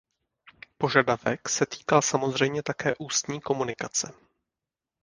Požadavek se týkal samozřejmě také ústní komunikace.